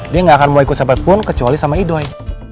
dia gak akan mau ikut sepakat pun kecuali sama idoy